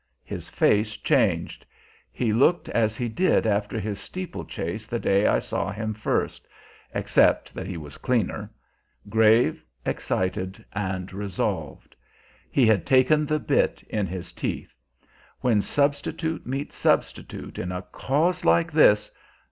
His face changed; he looked as he did after his steeplechase the day I saw him first, except that he was cleaner, grave, excited, and resolved. He had taken the bit in his teeth. When substitute meets substitute in a cause like this!